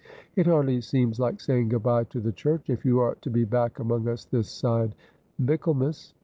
It hardly seems like saying good bye to the church if you are to be back among us this side Michaelmas.'